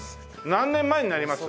何年前になります？